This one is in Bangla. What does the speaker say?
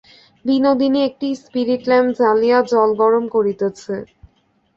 বিনোদিনী একটি স্পিরিট ল্যাম্প জ্বালিয়া জল গরম করিতেছে।